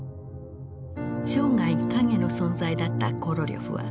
生涯影の存在だったコロリョフは